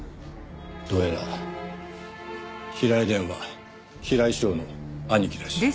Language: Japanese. どうやら平井蓮は平井翔の兄貴らしい。